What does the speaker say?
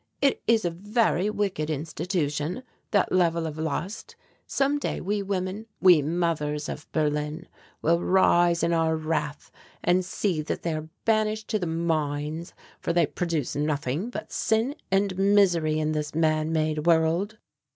It is a very wicked institution, that level of lust some day we women we mothers of Berlin will rise in our wrath and see that they are banished to the mines, for they produce nothing but sin and misery in this man made world."